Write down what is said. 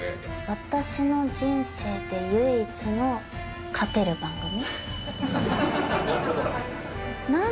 私の人生って唯一の、勝てる番組。